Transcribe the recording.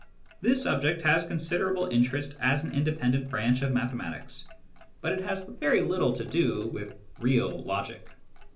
This subject has considerable interest as an independent branch of mathematics, but it has very little to do with real logic.